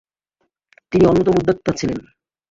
তিনি অন্যতম উদ্যোক্তা ছিলেন।